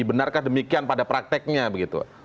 benarkah demikian pada prakteknya begitu